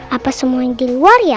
apa semuanya di luar ya